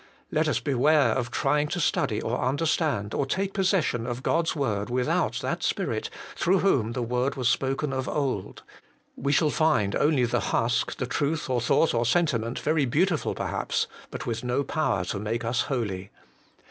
Let us beware of trying to study or understand or take possession of God's word without that Spirit through whom the word was spoken of old ; we shall find only the husk, the truth or thought and sentiment, very beautiful perhaps, but with no power to make us holy.